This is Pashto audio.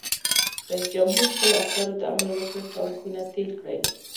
رئیس جمهور خپلو عسکرو ته امر وکړ؛ ټانکونه تېل کړئ!